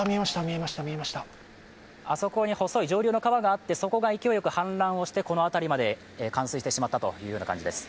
あそこに細い上流の川があって、そこが勢いよく氾濫して、この辺りまで冠水してしまったということです。